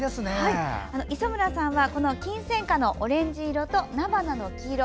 磯村さんはキンセンカのオレンジ色と菜花の黄色。